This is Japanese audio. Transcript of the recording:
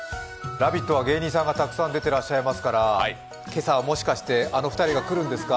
「ラヴィット！」は芸人さんがたくさん出てらっしゃるから今朝はもしかして、あの２人が来るんですか？